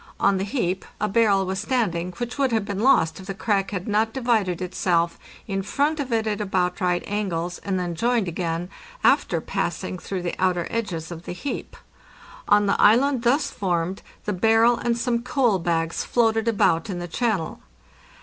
On the heap a barrel was stand ing, which would have been lost if the crack had not divided itself in front of it at about right angles and then joined again, after passing through the outer edges of the heap. On the island thus formed the barrel and some coal bags floated about in the channel.